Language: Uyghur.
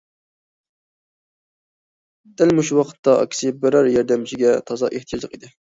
دەل مۇشۇ ۋاقىتتا ئاكىسى بىرەر ياردەمچىگە تازا ئېھتىياجلىق ئىدى.